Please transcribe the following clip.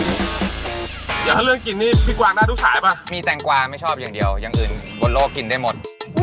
เดี๋ยวถ้าเรื่องกินนี่พี่กวางได้ทุกสายป่ะมีแตงกวาไม่ชอบอย่างเดียวอย่างอื่นบนโลกกินได้หมด